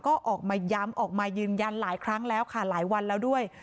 ก็ออกมาย้ำออกมายืนยันหลายครั้งแล้วค่ะหลายวันแล้วด้วย